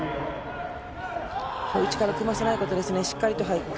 内から組ませないことですね、しっかりと。